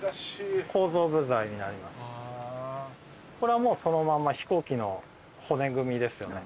これはもうそのまま飛行機の骨組みですよね。